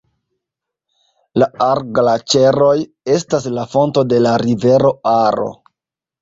La Ar-Glaĉeroj estas la fonto de la rivero Aro.